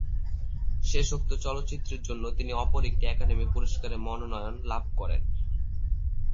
শেষোক্ত চলচ্চিত্রের জন্য তিনি অপর একটি একাডেমি পুরস্কারের মনোনয়ন লাভ করেন।